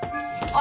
あ。